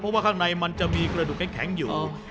เพราะว่าข้างในมันจะมีกระดูกแข็งอยู่